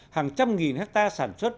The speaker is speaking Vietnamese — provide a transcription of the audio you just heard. hàng trăm nghìn hectare sản xuất